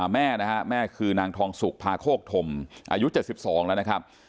แม่นะฮะแม่คือนางทองสุกพาโคกธมอายุ๗๒แล้วนะครับ